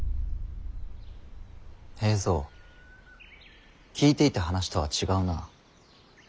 平三聞いていた話とは違うな。